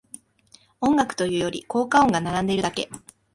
音楽というより効果音が並んでるだけ